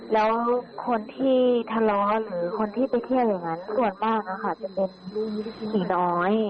แล้วคนที่ทะเลาะหรือคนที่ไปเที่ยวอย่างนั้นส่วนมากจะเป็นผีน้อย